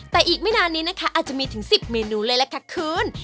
แต่อีกไม่นานนี้นะคะอาจจะมีถึง๑๐เมนูเลยล่ะค่ะคุณ